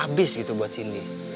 abis gitu buat cindy